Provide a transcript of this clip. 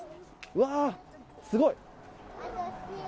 うわあ、すごい！